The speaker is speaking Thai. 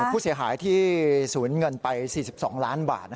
ผู้เสียหายที่สูญเงินไป๔๒ล้านบาท